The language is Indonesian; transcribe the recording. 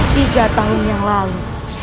tiga tahun yang lalu